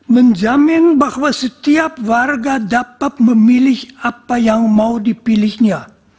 menjamin bahwa setiap warga dapat memilih apa yang mau dipilihnya